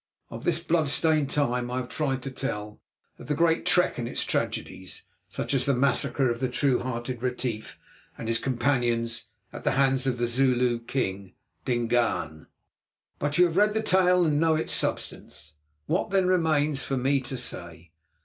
Of this blood stained time I have tried to tell; of the Great Trek and its tragedies, such as the massacre of the true hearted Retief and his companions at the hands of the Zulu king, Dingaan. But you have read the tale and know its substance. What, then, remains for me to say?